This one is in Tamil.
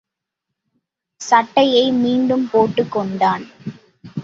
சட்டையை மீண்டும் போட்டுக் கொண்டான்.